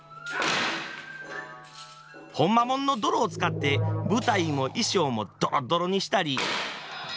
ほんまもんの泥を使って舞台も衣装もドロドロにしたり。